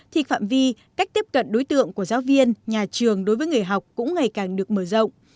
thì phạm vi cách tiếp cận đối tượng của giáo viên nhà trường đối với người học cũng ngày càng được mở rộng